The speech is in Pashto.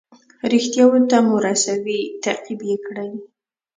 ریښتیاوو ته مو رسوي تعقیب یې کړئ.